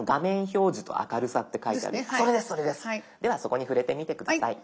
ではそこに触れてみて下さい。